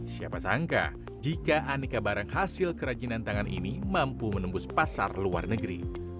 siapa sangka jika aneka barang hasil kerajinan tangan ini mampu menembus pasar luar negeri